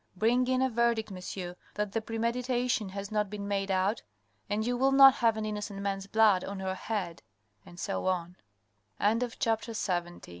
Bring in a verdict, monsieur, that the premeditation has not been made out, and you will not have an innocent man's blood on your head, etc." CHAPTER LXXI THE TR